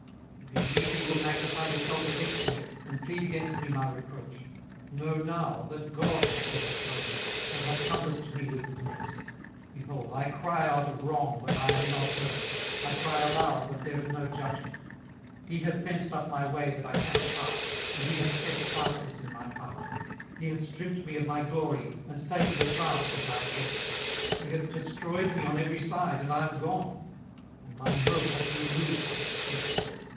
18:019:005 If indeed ye will magnify yourselves against me, and plead against me my reproach: 18:019:006 Know now that God hath overthrown me, and hath compassed me with his net. 18:019:007 Behold, I cry out of wrong, but I am not heard: I cry aloud, but there is no judgment. 18:019:008 He hath fenced up my way that I cannot pass, and he hath set darkness in my paths. 18:019:009 He hath stripped me of my glory, and taken the crown from my head. 18:019:010 He hath destroyed me on every side, and I am gone: and mine hope hath he removed like a tree.